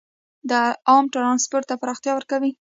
عام ټرانسپورټ ته پراختیا ورکوي.